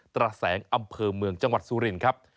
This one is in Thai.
ระแสงอำเภอเมืองจังหวัดสุรินครับ